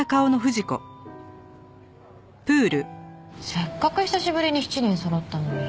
せっかく久しぶりに７人そろったのに。